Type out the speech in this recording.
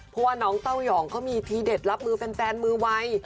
เพราะว่าน้องเต้ายองเขามีทีเด็ดรับมือแฟนมือวัย